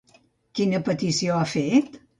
Quina petició ha fet?